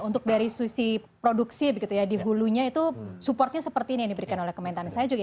untuk dari sisi produksi di hulunya itu supportnya seperti ini yang diberikan oleh kementerian pertanian indonesia